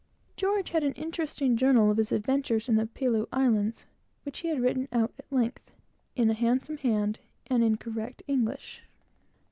George had an interesting journal of his adventures in the Pelew Islands, which he had written out at length, in a handsome hand, and in correct English.